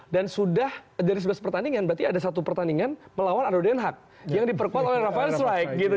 dan sudah dari sebelas pertandingan berarti ada satu pertandingan melawan ardoden haag yang diperkuat oleh rafael schreik gitu